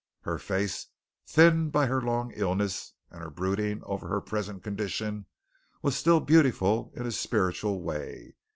Her face, thinned by her long illness and her brooding over her present condition, was still beautiful in a spiritual way.